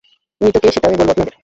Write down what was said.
মৃত কে সেটা আমি বলবো আপনাদের।